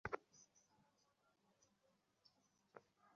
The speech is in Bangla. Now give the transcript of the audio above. প্যারোলে মুক্তিপ্রাপ্ত এক কয়েদি।